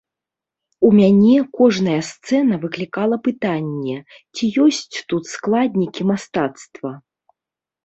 У мяне кожная сцэна выклікала пытанне, ці ёсць тут складнікі мастацтва.